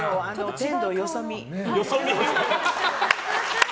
天童よそみ。